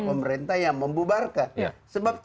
pemerintah yang membubarkan sebab